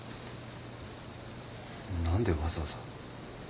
何でわざわざ。